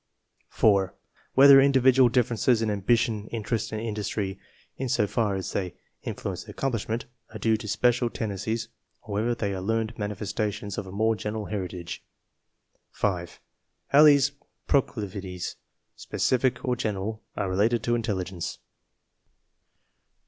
1 (4) Whether individual differences in ambition, interest, and industry, in so far as they influ ence accomplishment, are due to special tend encies or whether they are learned manifes tations of a more general heritage. (5) How these proclivities, specific or general, are related to intelligence.